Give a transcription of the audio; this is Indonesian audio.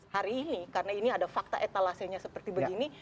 hari ini karena ini ada fakta etalasenya seperti begini